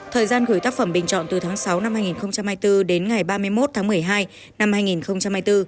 thời gian gửi tác phẩm bình chọn từ tháng sáu năm hai nghìn hai mươi bốn đến ngày ba mươi một tháng một mươi hai năm hai nghìn hai mươi bốn